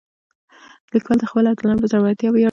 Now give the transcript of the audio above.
لیکوال د خپلو اتلانو په زړورتیا ویاړي.